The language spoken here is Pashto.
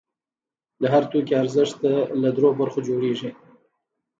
د هر توکي ارزښت له درېیو برخو جوړېږي